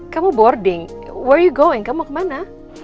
kamu boarding where are you going kamu mau kemana